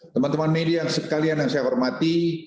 teman teman media yang sekalian yang saya hormati